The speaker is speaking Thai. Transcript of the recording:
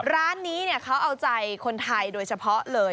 ร้านนี้เขาเอาใจคนไทยโดยเฉพาะเลย